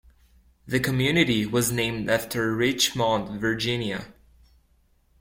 The community was named after Richmond, Virginia.